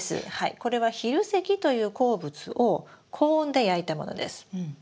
これは蛭石という鉱物を高温で焼いたものです。